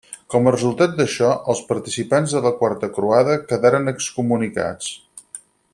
Com a resultat d'això, els participants de la quarta croada quedaren excomunicats.